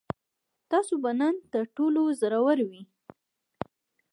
تاسو به نن تر ټولو زړور وئ.